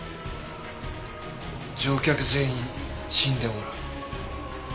乗客全員死んでもらう。